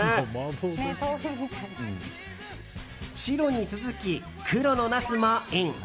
白に続き、黒のナスもイン。